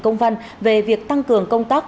công văn về việc tăng cường công tác